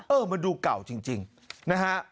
เออมันดูเก่าจริงนะฮะ